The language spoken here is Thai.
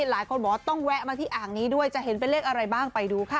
หลายคนบอกว่าต้องแวะมาที่อ่างนี้ด้วยจะเห็นเป็นเลขอะไรบ้างไปดูค่ะ